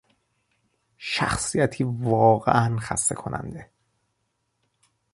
شخصیتی واقعا خسته کننده